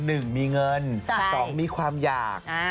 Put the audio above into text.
หนึ่งมีเงินสองมีความอยาก